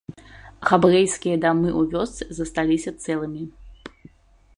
Габрэйскія дамы ў вёсцы засталіся цэлымі.